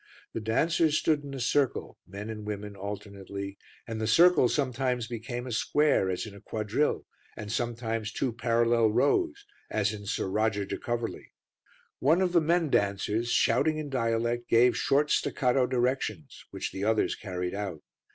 The dancers stood in a circle, men and women alternately, and the circle sometimes became a square, as in a quadrille, and sometimes two parallel rows, as in Sir Roger de Coverley. One of the men dancers, shouting in dialect, gave short staccato directions which the others carried out.